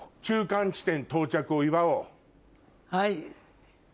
はい。